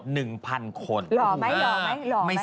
หล่อหรือหล่อหรือ